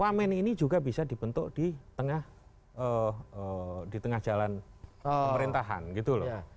wamen ini juga bisa dibentuk di tengah jalan pemerintahan gitu loh